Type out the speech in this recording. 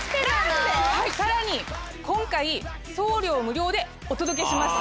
さらに今回送料無料でお届けします。